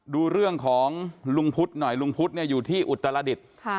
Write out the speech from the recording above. ดูเรื่องของลุงพุทธหน่อยลุงพุทธอยู่ที่อุตรดิษฐ์